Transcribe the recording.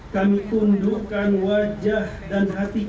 kami tundukkan wajah dan hati kami